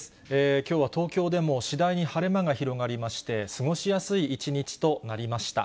きょうは東京でも次第に晴れ間が広がりまして、過ごしやすい一日となりました。